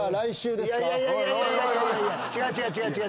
違う違う違う違う。